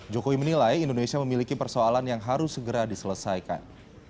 jokowi menilai indonesia memiliki persoalan yang harus segera diselesaikan